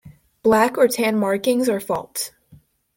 Black or tan markings are faults.